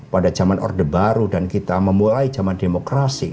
pada zaman orde baru dan kita memulai zaman demokrasi